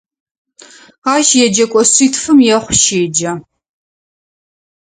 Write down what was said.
Ащ еджэкӏо шъитфым ехъу щеджэ.